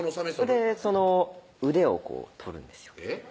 それで腕を取るんですよえっ？